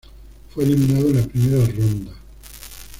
Fue eliminado en la primera ronda.